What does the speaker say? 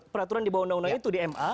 peraturan di bawah undang undang itu di ma